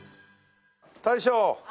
大将。